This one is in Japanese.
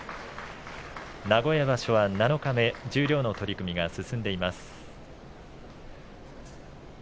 名古屋場所は七日目十両の取組が進んでいます。